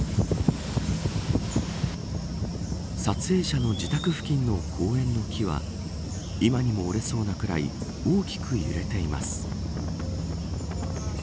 撮影者の自宅付近の公園の木は今にも折れそうなぐらい大きく揺れています。